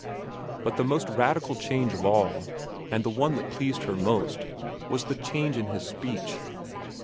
But the most radical change of all, and the one that pleased her most, was the change in his speech.